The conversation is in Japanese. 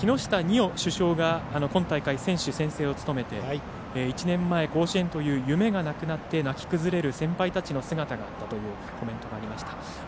緒選手が今大会選手宣誓を務めて、１年前甲子園という夢がなくなって泣き崩れる先輩たちの姿がというコメントがありました。